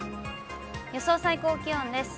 予想最高気温です。